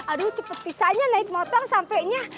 aduh cepet pisahnya naik motor sampe nya